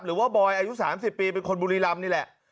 หรือว่าบ๊อยอายุสามสิบปีเป็นคนบุรีรำนี่แหละ